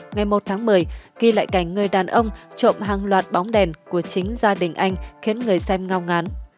ngày một tháng một mươi ghi lại cảnh người đàn ông trộm hàng loạt bóng đèn của chính gia đình anh khiến người xem ngao ngán